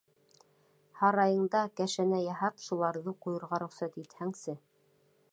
Һарайыңда кәшәнә яһап, шуларҙы ҡуйырға рөхсәт итһәңсе.